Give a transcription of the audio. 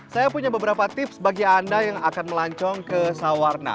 saya punya beberapa tips bagi anda yang akan melancong ke sawarna